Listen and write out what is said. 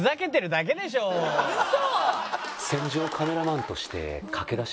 ウソ？